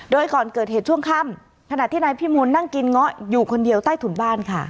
โดยก่อนเกิดเหตุช่วงค่ำขณะที่นายพิมูลนั่งกินเงาะอยู่คนเดียวใต้ถุนบ้านค่ะ